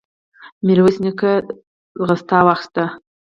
ميرويس نيکه منډه واخيسته.